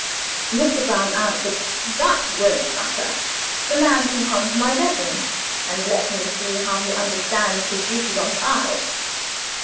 Mr. Brown answered, "That won't matter; the man can come to my bedroom, and let me see how he understands his duties, on trial."